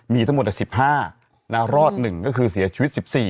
มีทั้งหมด๑๕รอด๑ก็คือเสียชีวิต๑๔